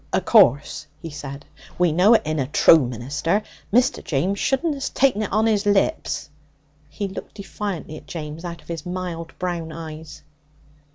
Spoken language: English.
'O' course,' he said, 'we know it inna true, minister. Mr. James shouldna ha' taken it on his lips.' He looked defiantly at James out of his mild brown eyes.